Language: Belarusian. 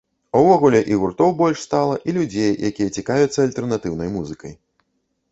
Увогуле і гуртоў больш стала, і людзей, якія цікавяцца альтэрнатыўнай музыкай.